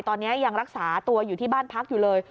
ตอนนี้ยังรักษาตัวอยู่ที่บ้านพักอยู่เลย